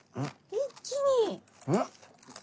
一気に！